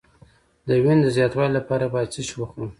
د وینې د زیاتوالي لپاره باید څه شی وخورم؟